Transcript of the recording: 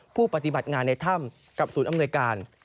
ผู้ปฏิบัติงานในถ้ำกับศูนย์อำนวยการ